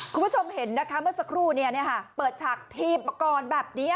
คุณผู้ชมเห็นนะคะเมื่อสักครู่เปิดฉากถีบมาก่อนแบบนี้